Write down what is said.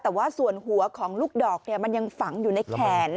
แต่ว่าส่วนหัวของลูกดอกมันยังฝังอยู่ในแขน